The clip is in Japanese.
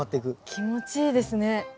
気持ちいいですね。